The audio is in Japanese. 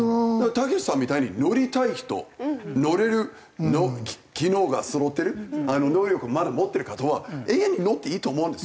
たけしさんみたいに乗りたい人乗れる機能がそろってる能力まだ持ってる方は永遠に乗っていいと思うんですよ。